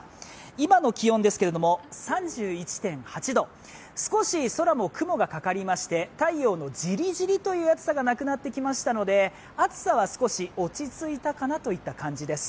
今の気温ですけれども３１．８度少し空も雲がかかりまして、太陽のじりじりという暑さがなくなってきましたので、暑さは少し落ち着いたかなといった感じです。